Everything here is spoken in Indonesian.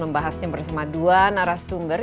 membahasnya bersama dua narasumber